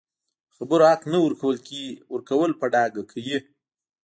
د خبرو حق نه ورکول په ډاګه کوي